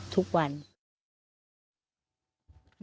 ทุกวัน